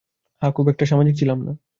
হ্যাঁ, খুব একটা সামাজিক ছিলাম না।